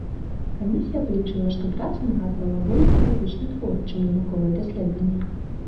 Камісія палічыла, што праца нагадвала болей паэтычны твор чым навуковае даследаванне.